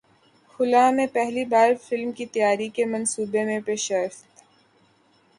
خلا میں پہلی بار فلم کی تیاری کے منصوبے میں پیشرفت